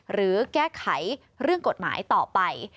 หรือแก้ไขเรื่องกฎหมายต่อไป